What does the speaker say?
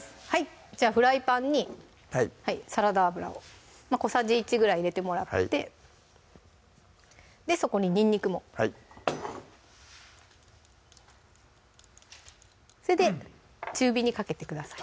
じゃあフライパンにサラダ油を小さじ１ぐらい入れてもらってそこににんにくもはいそれで中火にかけてください